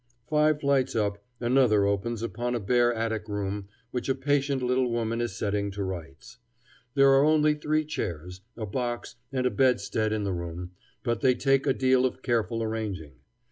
Five flights up, another opens upon a bare attic room which a patient little woman is setting to rights. There are only three chairs, a box, and a bedstead in the room, but they take a deal of careful arranging.